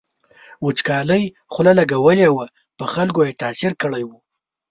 وچکالۍ خوله لګولې وه په خلکو یې تاثیر کړی و.